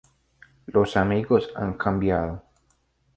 Los amigos han cambiado.